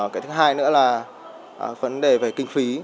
cái thứ hai nữa là vấn đề về kinh phí